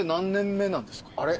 あれ？